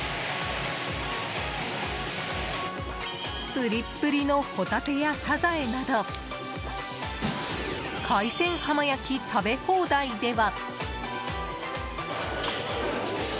ぷりっぷりのホタテやサザエなど海鮮浜焼き食べ放題では。